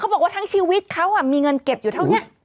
บอกว่าทั้งชีวิตเขามีเงินเก็บอยู่เท่านี้